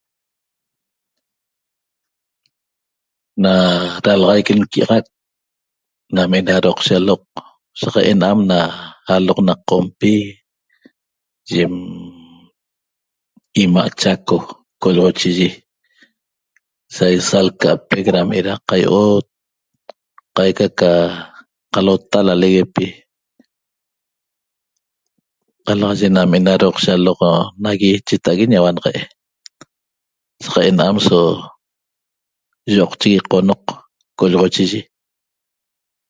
Na dalaxaiq n'quiaxaq na enaham doqshec aloq so enaham enam aloq na qompi yim imaa' chaco colgochigui sa altapeq da qayiot caica ca calota ca loleguepi da caieet camaye na doqshec aloq nagui cheta'ague da ñehuanaxa na aloq saq enaham aloq coyochigue